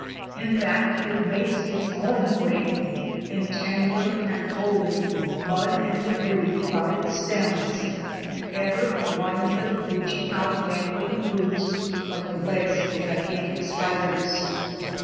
In fact, it makes its own footing, entangling and holding mud and débris about its stems, and ever blindly reaching out dangling roots, like the legs of gigantic spiders.